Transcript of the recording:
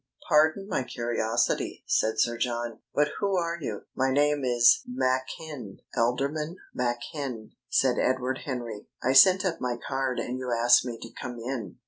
"Pardon my curiosity," said Sir John, "but who are you?" "My name is Machin Alderman Machin," said Edward Henry. "I sent up my card and you asked me to come in."